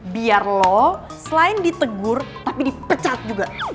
biar loh selain ditegur tapi dipecat juga